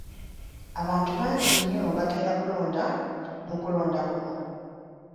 Abantu bangi nnyo bagenda kulonda mu kulonda kuno.